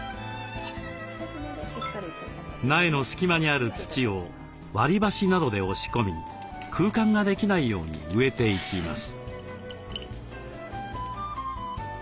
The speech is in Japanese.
苗の隙間にある土を割りばしなどで押し込み空間ができないように植えていきます。